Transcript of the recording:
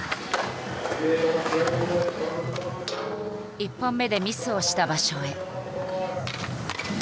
１本目でミスをした場所へ。